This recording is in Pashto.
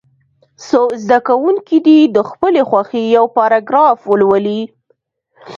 څو زده کوونکي دې د خپلې خوښې یو پاراګراف ولولي.